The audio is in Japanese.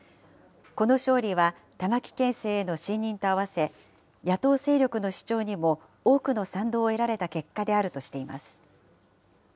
この勝利は玉城県政への信任と合わせ、野党勢力の主張にも多くの賛同を得られた結果であるとしています。